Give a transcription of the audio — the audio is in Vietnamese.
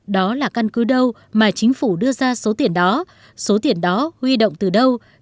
đó là căn cứ đâu mà chính phủ đưa ra số tiền đó số tiền đó huy động từ đâu